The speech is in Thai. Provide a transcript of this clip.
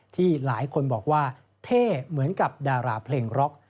ที่หลายคนบอกว่าเท่เหมือนกับดาราเพลงร็อก